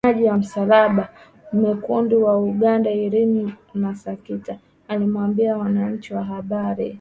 Msemaji wa Msalaba Mwekundu wa Uganda Irene Nakasita aliwaambia waandishi wa habari.